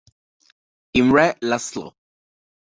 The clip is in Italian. Imre László.